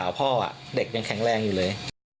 พ่อเด็กยังแข็งแรงอยู่เลย